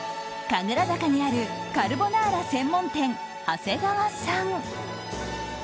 神楽坂にあるカルボナーラ専門店ＨＡＳＥＧＡＷＡさん。